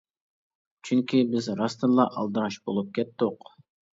چۈنكى، بىز راستتىنلا ئالدىراش بولۇپ كەتتۇق.